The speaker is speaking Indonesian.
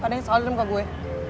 padahal lu selalu dengerin gue